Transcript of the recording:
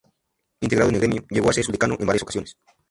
Integrado en el gremio, llegó a ser su decano en varias ocasiones.